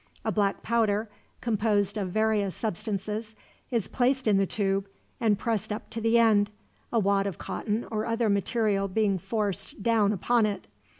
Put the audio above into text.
A black powder, composed of various substances, is placed in the tube and pressed up to the end, a wad of cotton or other material being forced down upon it.